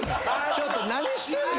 ちょっと何してんの？